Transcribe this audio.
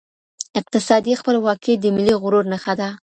اقتصادي خپلواکي د ملي غرور نښه ده.